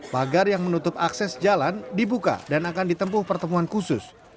pagar yang menutup akses jalan dibuka dan akan ditempuh pertemuan khusus